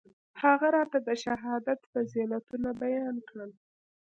هغه راته د شهادت فضيلتونه بيان کړل.